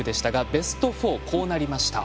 ベスト４こうなりました。